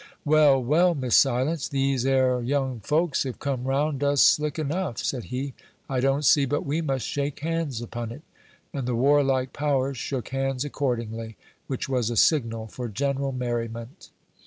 "Well, well, Miss Silence, these 'ere young folks have come round us slick enough," said he. "I don't see but we must shake hands upon it." And the warlike powers shook hands accordingly, which was a signal for general merriment.